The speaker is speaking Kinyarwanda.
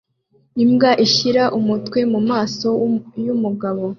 Imbwa ishyira umutwe mumaso yumugabo